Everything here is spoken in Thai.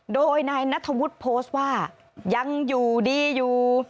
โดยนายนัทธวุฒิโพสต์ว่ายังอยู่ดีอยู่